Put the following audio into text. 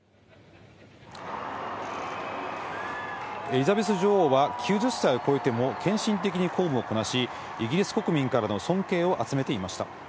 エリザベス女王は、９０歳を超えても献身的に公務をこなし、イギリス国民からの尊敬を集めていました。